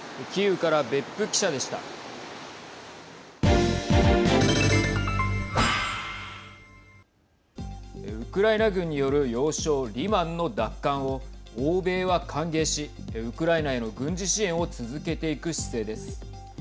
ウクライナ軍による要衝リマンの奪還を欧米は歓迎し、ウクライナへの軍事支援を続けていく姿勢です。